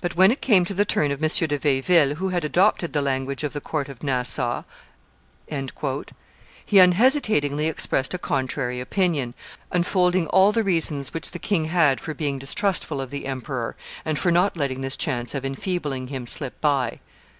"But when it came to the turn of M. de Vieilleville, who had adopted the language of the Count of Nassau," he unhesitatingly expressed a contrary opinion, unfolding all the reasons which the king had for being distrustful of the emperor and for not letting this chance of enfeebling him slip by.